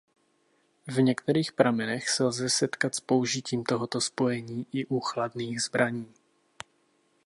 V některých pramenech se lze setkat s použitím tohoto spojení i u chladných zbraní.